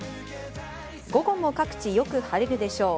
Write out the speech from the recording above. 午後も各地よく晴れるでしょう。